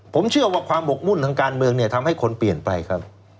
ผมเชื่อว่าความหมกมุ่นทางการเมืองเนี่ยทำให้คนเปลี่ยนไปครับ